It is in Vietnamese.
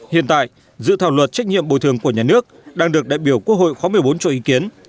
hiện tại dự thảo luật trách nhiệm bồi thường của nhà nước đang được đại biểu quốc hội khóa một mươi bốn cho ý kiến